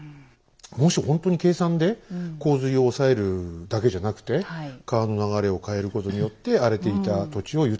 もしほんとに計算で洪水を抑えるだけじゃなくて川の流れを変えることによって荒れていた土地を豊かな土地に生まれ変わらせるっていうのを